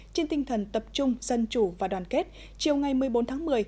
trên tinh thần tập trung dân chủ và đoàn kết chiều ngày một mươi bốn tháng một mươi